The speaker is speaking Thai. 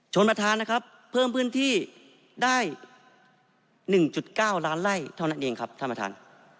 ประธานนะครับเพิ่มพื้นที่ได้๑๙ล้านไล่เท่านั้นเองครับท่านประธาน